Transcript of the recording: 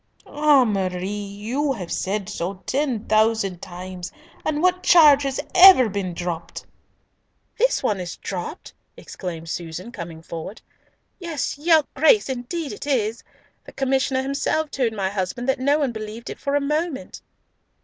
"Ah, Marie! you have said so ten thousand times, and what charge has ever been dropped?" "This one is dropped!" exclaimed Susan, coming forward. "Yes, your Grace, indeed it is! The Commissioner himself told my husband that no one believed it for a moment."